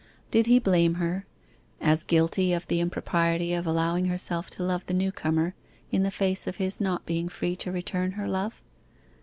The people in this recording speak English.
Did he blame her, as guilty of the impropriety of allowing herself to love the newcomer in the face of his not being free to return her love?